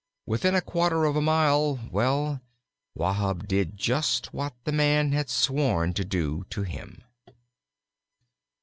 Within a quarter of a mile well, Wahb did just what the man had sworn to do to him.